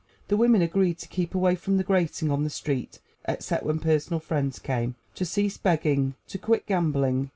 The women agreed to keep away from the grating on the street, except when personal friends came; to cease begging; to quit gambling.